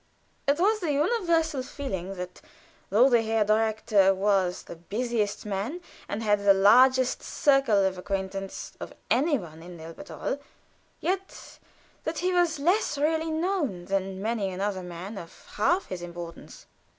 It was the universal feeling that though the Herr Direktor was the busiest man, and had the largest circle of acquaintance of any one in Elberthal, yet that he was less really known than many another man of half his importance.